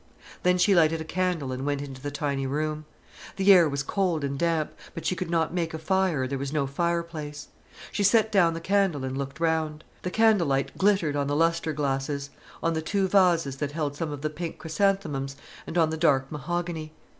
Then she lighted a candle and went into the tiny room. The air was cold and damp, but she could not make a fire, there was no fireplace. She set down the candle and looked round. The candle light glittered on the lustre glasses, on the two vases that held some of the pink chrysanthemums, and on the dark mahogany.